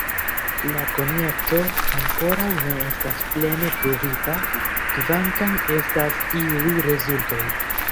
La konjekto ankoraŭ ne estas plene pruvita, kvankam estas iuj rezultoj.